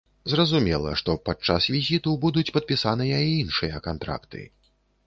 Зразумела, што падчас візіту будуць падпісаныя і іншыя кантракты.